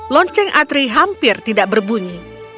lonceng atri hampir tidak berbunyi